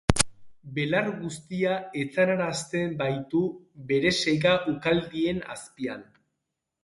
Belar guztia etzanarazten baitu bere sega ukaldien azpian.